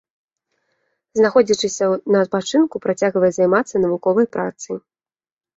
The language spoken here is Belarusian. Знаходзячыся на адпачынку, працягвае займацца навуковай працай.